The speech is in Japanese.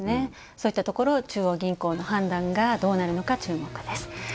そういったところを中央銀行の判断がどうなるのか注目です。